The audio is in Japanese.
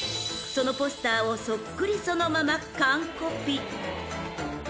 ［そのポスターをそっくりそのままカンコピ］